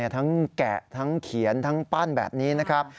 แกะทั้งเขียนทั้งปั้นแบบนี้นะครับ